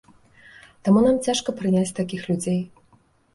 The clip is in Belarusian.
Таму нам цяжка прыняць такіх людзей.